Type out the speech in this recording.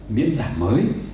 miễn giảm mới